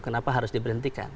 kenapa harus diberhentikan